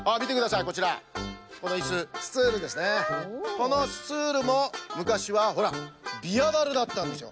このスツールもむかしはほらビアだるだったんですよ。